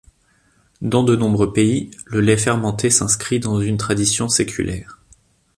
Dans de nombreux pays, le lait fermenté s'inscrit dans une tradition séculaire.